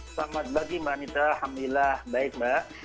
selamat pagi mbak anita alhamdulillah baik mbak